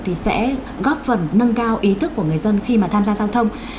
thì sẽ góp phần nâng cao ý thức của người dân khi mà tham gia giao thông